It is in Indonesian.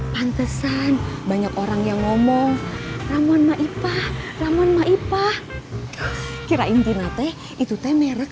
pantesan banyak orang yang ngomong ramuan maipa ramuan maipa kirain tinate itu teh merek